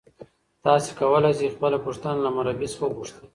تاسي کولای شئ خپله پوښتنه له مربی څخه وپوښتئ.